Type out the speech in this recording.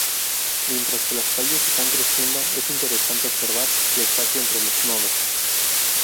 Mientras que los tallos están creciendo, es interesante observar el espacio entre los nodos.